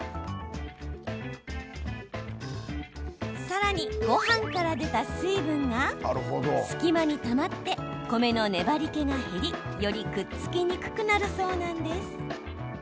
さらに、ごはんから出た水分が隙間にたまって米の粘りけが減りよりくっつきにくくなるそうなんです。